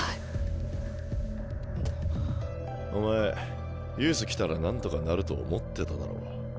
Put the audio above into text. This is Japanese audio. お前ユース来たらなんとかなると思ってただろ？